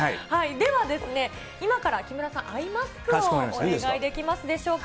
では、今から木村さん、アイマスクをお願いできますでしょうか。